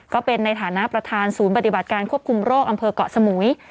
ก็เป็นในฐานะประธานศูนย์ปฏิบัติการควบคุมโรคอำเภอกเกาะสมุย